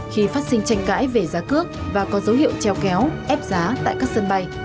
khi phát sinh tranh cãi về giá cước và có dấu hiệu treo kéo ép giá tại các sân bay